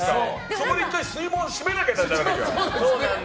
そこで１回、水門を閉めなきゃだから。